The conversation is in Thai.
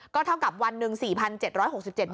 เท่ากับวันหนึ่ง๔๗๖๗บาท